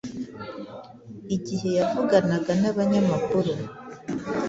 igihe yavuganaga n’abanyamakuru